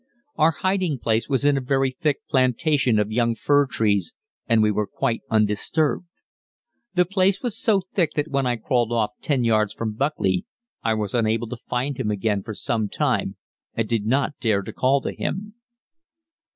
Our hiding place was in a very thick plantation of young fir trees, and we were quite undisturbed. The place was so thick that when I crawled off 10 yards from Buckley I was unable to find him again for some time, and did not dare to call to him.